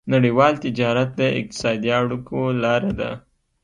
نړيوال تجارت د اقتصادي اړیکو لاره ده.